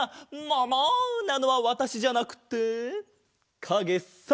もも！なのはわたしじゃなくてかげさ！